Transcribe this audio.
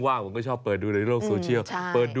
ว่างผมก็ชอบเปิดดูในโรคโซเชียล